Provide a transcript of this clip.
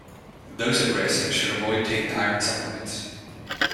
Those at risk should avoid taking iron supplements.